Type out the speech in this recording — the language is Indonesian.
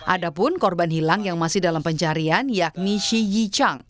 ada pun korban hilang yang masih dalam pencarian yakni shi yi chang